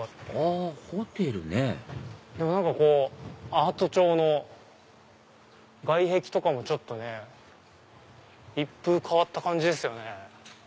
あホテルねぇ何かこうアート調の外壁とかもちょっとね一風変わった感じですよね。